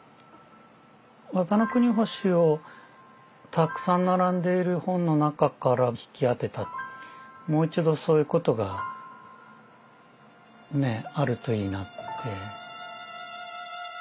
「綿の国星」をたくさん並んでいる本の中から引き当てたもう一度そういうことがねあるといいなって。